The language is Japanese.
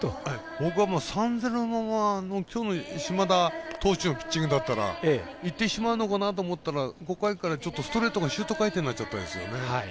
僕は３−０のままきょうの島田投手のピッチングだったらいってしまうのかなと思ったらちょっとストレートがシュート回転になっちゃっていますね。